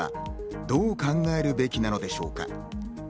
どう考えるべきなのでしょうか。